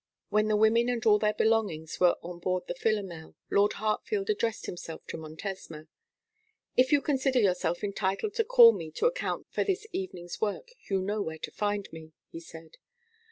When the women and all their belongings were on board the Philomel, Lord Hartfield addressed himself to Montesma. 'If you consider yourself entitled to call me to account for this evening's work you know where to find me,' he said.